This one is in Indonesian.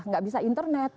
tidak bisa internet